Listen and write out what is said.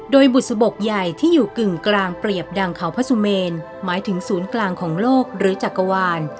โดยบุษบกใหญ่ที่อยู่กึ่งกลางเปรียบดังเขาพระสุเมนหมายถึงศูนย์กลางของโลกหรือจักรวาล